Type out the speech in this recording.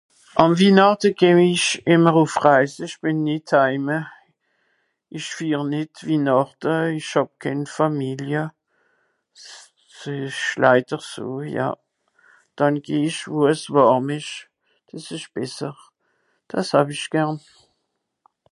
Àn Wihnàchte gew ich immer ùff Reise, ich bin nie t heime, ich fiir nìtt Wihnàchte, ich hàb kenn Fàmilie. S ìsch leider so ja, dànn geh ich wo es wàrm ìsch, es ìsch besser. Dàs hàw ich gärn.